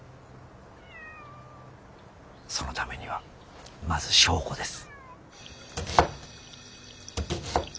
そのためにはまず証拠です。